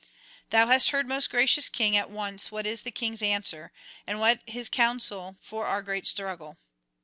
'Thou hast heard, most gracious king, at once what is the king's answer, and what his counsel for our great struggle.'